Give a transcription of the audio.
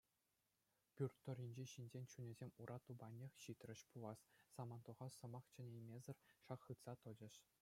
Пӳрт тӑрринчи ҫынсен чунӗсем ура тупаннех ҫитрӗҫ пулас, самантлӑха сӑмах чӗнеймесӗр шак хытса тӑчӗҫ.